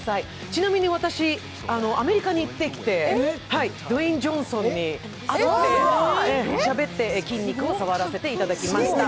ちなみに私、アメリカに行ってきてドウェイン・ジョンソンに会えて、しゃべって筋肉を触らせていただきました。